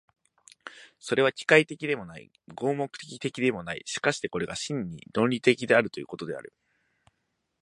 それは機械的でもない、合目的的でもない、しかしてそれが真に論理的ということである。